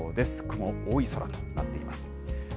雲、多い空となっています。